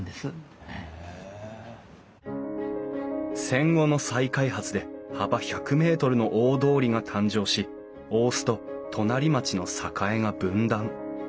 戦後の再開発で幅１００ｍの大通りが誕生し大須と隣町の栄が分断。